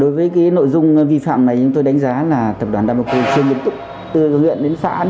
đối với nội dung vi phạm này tôi đánh giá là tập đoàn đa bà cô chưa nghiêm túc từ huyện đến phạm